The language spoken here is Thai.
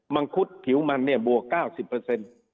มังคุดผิวมันเนี่ยบวก๙๐เปอร์เซ็นต์